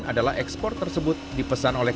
adalah ekspor tersebut dipesan oleh